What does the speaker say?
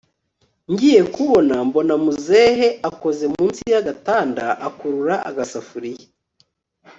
ngiyekubona mbona muzehe akoze munsi yagatanda akurura agasafuriya